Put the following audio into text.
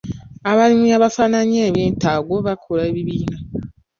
Abalimi abafaananya ebyetaago bakola ebibiina.